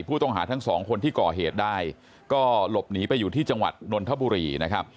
ผู้ต้องหาทั้งสองคนที่ก่อเหตุได้ก็หลบหนีไปอยู่ที่จังหวัดนนทบุรีนะครับ